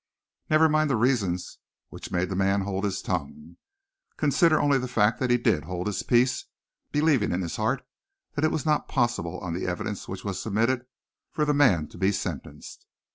Never mind the reasons which made that man hold his tongue. Consider only the fact that he did hold his peace, believing in his heart that it was not possible, on the evidence which was submitted, for the man to be sentenced.